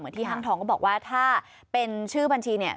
ที่ห้างทองก็บอกว่าถ้าเป็นชื่อบัญชีเนี่ย